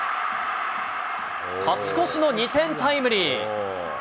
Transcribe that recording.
勝ち越しの２点タイムリー。